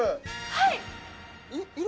はい！